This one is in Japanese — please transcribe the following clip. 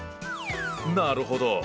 なるほど。